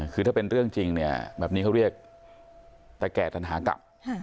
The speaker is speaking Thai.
คือถ้าเป็นเรื่องจริงเนี่ยแบบนี้เขาเรียกแต่แก่ตันหากลับ